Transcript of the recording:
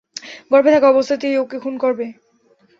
গর্ভে থাকা অবস্থাতেই ওকে খুন করবে!